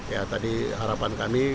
ya tadi harapan kami